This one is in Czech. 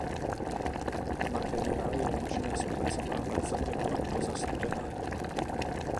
Materiál je možné zpracovávat za tepla nebo za studena.